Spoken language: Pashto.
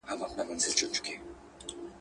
جهاني به په لحد کي وي هېر سوی!